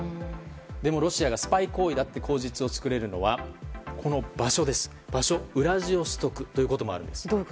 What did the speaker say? でも、ロシアがスパイ行為だと口実を作れるのはこの場所です、ウラジオストクということもあるんです。